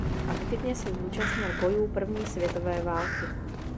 Aktivně se zúčastnil bojů první světové války.